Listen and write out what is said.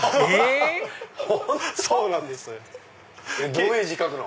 ⁉どういう字書くの？